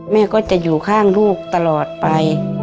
แม่ก็จะอยู่ข้างลูกตลอดไป